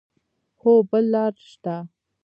هو، بل لار شته